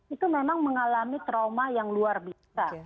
itu memang mengalami trauma yang luar biasa